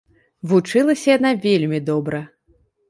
Вучылася яна вельмі добра.